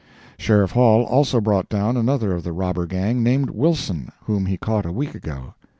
Sheriff Hall also brought down another of the robber gang named Wilson, whom he caught a week ago.